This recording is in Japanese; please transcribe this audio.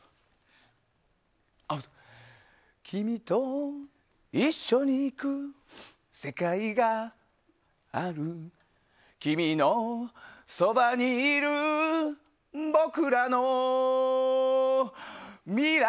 君と一緒に行く世界がある君の傍にいる僕らの未来。